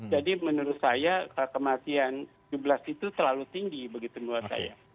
jadi menurut saya kematian jublas itu terlalu tinggi begitu menurut saya